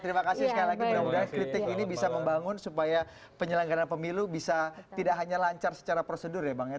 terima kasih sekali lagi mudah mudahan kritik ini bisa membangun supaya penyelenggaran pemilu bisa tidak hanya lancar secara prosedur ya bang ya